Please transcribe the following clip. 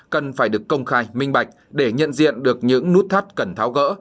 cần phải được công khai minh bạch để nhận diện được những nút thắt cần tháo gỡ